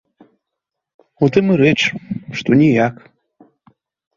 У тым і рэч, што ніяк.